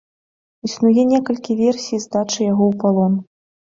Існуе некалькі версій здачы яго ў палон.